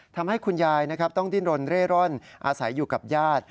ทำให้คุณยายต้องดิ้นรนเร่ร่อนอาศัยอยู่กับญาติ